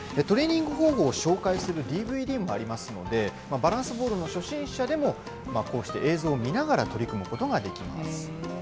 トレーニング方法を紹介するＤＶＤもありますので、バランスボールの初心者でも、こうして映像を見ながら取り組むことができます。